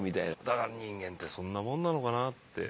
だから人間ってそんなもんなのかなって。